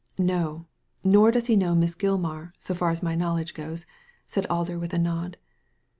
" No. Nor did he know Miss Giltnar, so far as my knowledge goes," said Alder, with a nod.